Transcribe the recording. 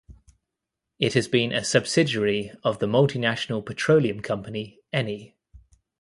It has been a subsidiary of the multinational petroleum company Eni.